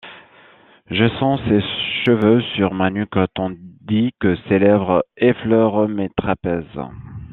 Je sens ses cheveux sur ma nuque tandis que ses lèvres effleurent mes trapèzes.